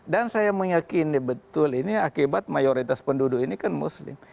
dan saya meyakini betul ini akibat mayoritas penduduk ini kan muslim